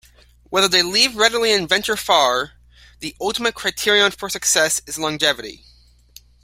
Whether they leave readily and venture far, the ultimate criterion for success is longevity.